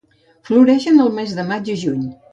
Floreixen al mes de maig i juny.